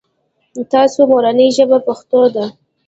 تاسو مورنۍ ژبه پښتو ده ؟